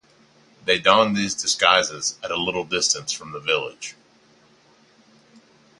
They don these disguises at a little distance from the village.